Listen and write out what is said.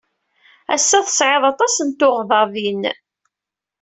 Ass-a tesɛiḍ aṭas n tuɣdaḍin.